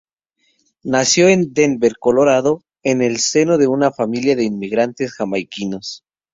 Nació en Denver, Colorado, en el seno de una familia de inmigrantes jamaicanos.